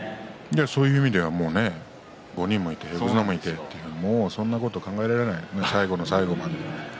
そういう意味では５人もいて横綱もいてそんなこと考えられない最後の最後まで。